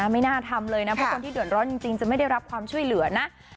ไม่น่าทำเลยนะเพราะคนที่เดือดร้อนจริงจะไม่ได้รับความช่วยเหลือนะ